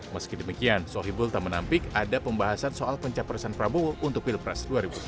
meski demikian sohibul tak menampik ada pembahasan soal pencapresan prabowo untuk pilpres dua ribu sembilan belas